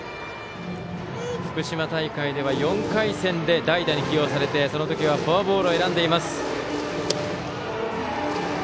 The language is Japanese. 福島大会では４回戦で代打に起用されてその時はフォアボールを選んでいます。